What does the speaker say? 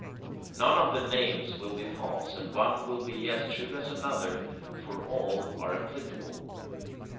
None of the names will be false, and one will be as true as another, for all are applicable.